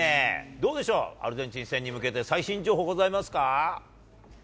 どうでしょう、アルゼンチン戦に向けて、最新情報ございますか？